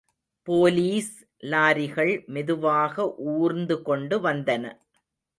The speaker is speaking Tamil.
போலீஸ் லாரிகள் மெதுவாக ஊர்ந்து கொண்டு வந்தன.